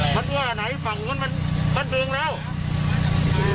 บ้านเรือไหนฝั่งนู้นบ้านเบื้องแล้ว